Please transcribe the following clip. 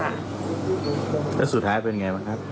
แล้วสุดท้ายเป็นไงบ้างครับ